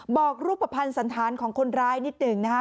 บอกรูปภัณฑ์สันธารของคนร้ายนิดหนึ่งนะคะ